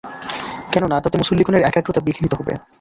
কেননা, তাতে মুসল্লীগণের একাগ্রতা বিঘ্নিত হবে।